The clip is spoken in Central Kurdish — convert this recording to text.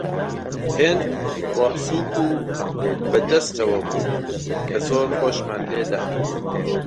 هێند ڕۆحسووک و بە دەستەوە بوو کە زۆر خۆشمان لێ دەهات